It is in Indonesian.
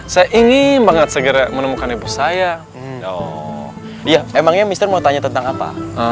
saya ingin banget segera menemukan ibu saya ya emangnya mr mau tanya tentang apa